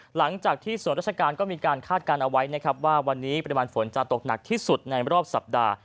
หลังจากที่ส่วนราชการก็มีการคาดการณ์เอาไว้นะครับว่าวันนี้ปริมาณฝนจะตกหนักที่สุดในรอบสัปดาห์